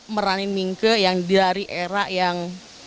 merangin mingke yang dari era yang